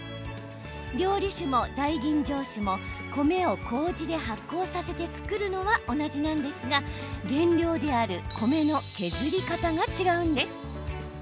料理酒も大吟醸酒も米をこうじで発酵させて造るのは同じですが原料である米の削り方が違います。